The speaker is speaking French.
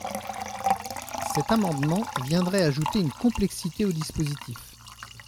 Cet amendement viendrait ajouter une complexité au dispositif.